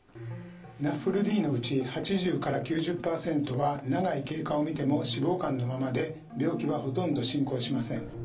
ＮＡＦＬＤのうち８０から９０％は長い経過を見ても脂肪肝のままで病気はほとんど進行しません。